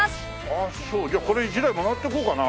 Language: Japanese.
あっそうじゃあこれ１台もらっていこうかな？